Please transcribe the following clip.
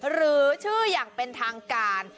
หรือชื่ออย่างเป็นทางการ